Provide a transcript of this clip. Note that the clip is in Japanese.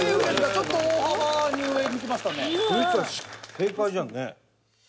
正解じゃんね。